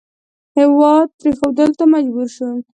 هېواد پرېښودلو ته مجبور شو.